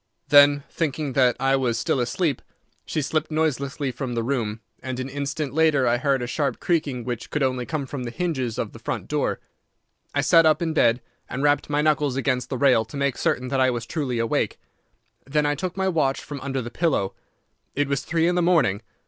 Then, thinking that I was still asleep, she slipped noiselessly from the room, and an instant later I heard a sharp creaking which could only come from the hinges of the front door. I sat up in bed and rapped my knuckles against the rail to make certain that I was truly awake. Then I took my watch from under the pillow. It was three in the morning.